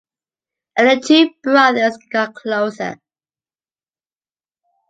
And the two brothers got closer.